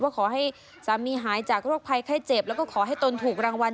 ขอให้สามีหายจากโรคภัยไข้เจ็บแล้วก็ขอให้ตนถูกรางวัล